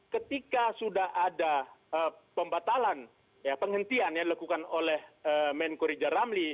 ketika sudah ada pembatalan penghentian yang dilakukan oleh menkuri jaramli